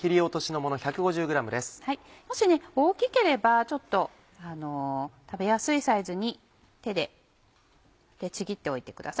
もし大きければちょっと食べやすいサイズに手でちぎっておいてください。